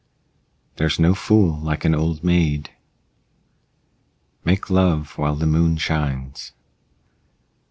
There's no fool like an old maid. Make love while the moon shines.